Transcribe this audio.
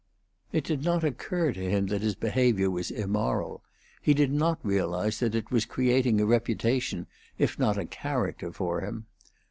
It did not occur to him that his behavior was immoral; he did not realize that it was creating a reputation if not a character for him.